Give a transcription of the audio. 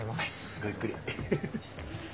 ごゆっくり。